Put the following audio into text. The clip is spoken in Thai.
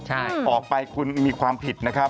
ใช่ออกไปคุณมีความผิดนะครับ